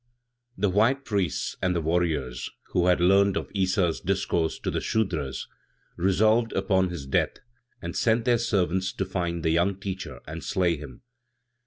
1. The white priests and the warriors, who had learned of Issa's discourse to the Sudras, resolved upon his death, and sent their servants to find the young teacher and slay him.